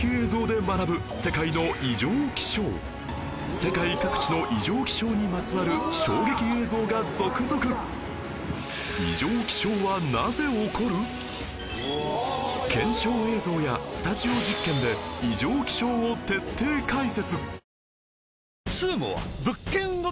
世界各地の異常気象にまつわる検証映像やスタジオ実験で異常気象を徹底解説